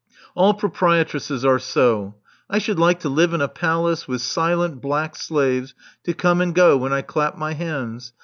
"All proprietresses are so. I should like to live in a palace with silent black slaves to come and go when I clap my hands.